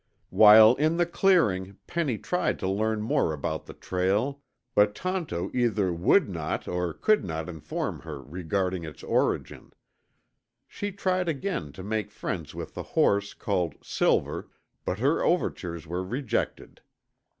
While in the clearing Penny tried to learn more about the trail, but Tonto either would not or could not inform her regarding its origin. She tried again to make friends with the horse called "Silver," but her overtures were rejected.